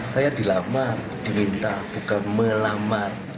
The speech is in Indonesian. saya dilamar diminta bukan melamar